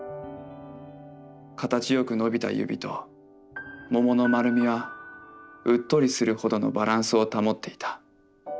形よくのびた指と桃の丸みはうっとりするほどのバランスを保っていた。